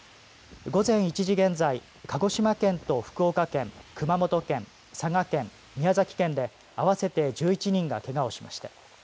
午前１時現在、鹿児島県と福岡県、熊本県、佐賀県、宮崎県で合わせて１１人がけがをしました。